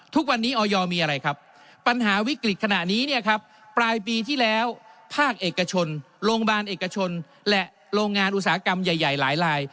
ทุกวันนี้ออยมีอะไรครับปัญหาวิกฤตขณะนี้เนี่ยครับปลายปีที่แล้วภาคเอกชนโรงพยาบาลเอกชนและโรงงานอุตสาหกรรมใหญ่หลายลาย